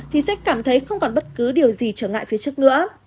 thì sẽ cảm thấy không còn bất cứ điều gì trở ngại phía trước nữa